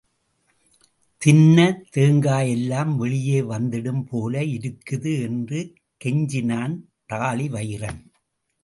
தின்ன தேங்காயெல்லாம் வெளியே வந்திடும் போல இருக்குது என்று கெஞ்சினான் தாழிவயிறன்.